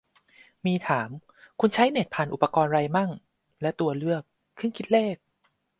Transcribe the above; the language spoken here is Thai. มีถาม "คุณใช้เน็ตผ่านอุปกรณ์ไรมั่ง" และตัวเลือก "เครื่องคิดเลข"